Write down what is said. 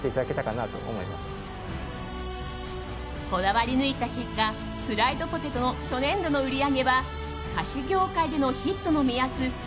こだわりぬいた結果プライドポテトの初年度の売り上げは菓子業界でのヒットの目安